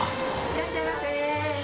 いらっしゃいませ。